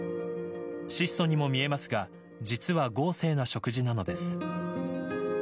質素にも見えますが実は豪勢な食事なのです。